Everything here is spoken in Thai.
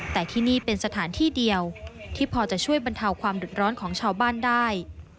แต่ที่นี่เป็นสถานที่เดียวที่พอจะช่วยบรรเทาความเดือดร้อนของชาวบ้านได้